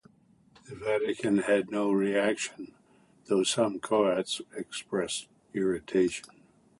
The Vatican had no reaction, though some Croats expressed irritation.